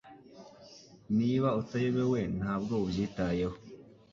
Niba utayobewe, ntabwo ubyitayeho.